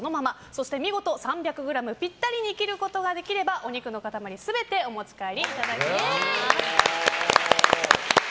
そして見事３００ｇぴったりに切ることができればお肉の塊、全てお持ち帰りいただけます。